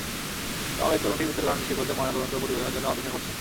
তবে তরুণটির মৃত্যুর কারণ নিশ্চিত হতে ময়নাতদন্ত প্রতিবেদনের জন্য অপেক্ষা করছেন।